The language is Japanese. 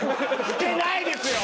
してないですよ！